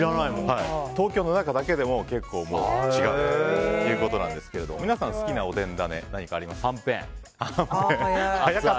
東京の中だけでも結構違うということなんですが皆さん、好きなおでんだね何かありますか？